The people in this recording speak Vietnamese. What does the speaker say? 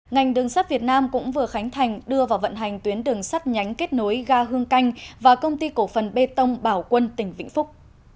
ngành đường sắt việt nam cũng vừa khánh thành đưa vào vận hành tuyến đường sắt nhánh kết nối ga hương canh và công ty cổ phần bê tông bảo quân tỉnh vĩnh phúc